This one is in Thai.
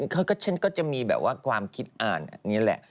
เค้าก็เช่นก็จะมีแบบว่าความคิดอ่านนี่แหละ